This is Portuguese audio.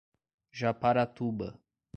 Japaratuba